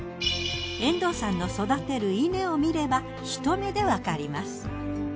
遠藤さんの育てる稲を見ればひと目でわかります。